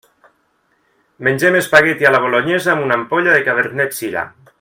Mengem espagueti a la bolonyesa amb una ampolla de cabernet-sirà.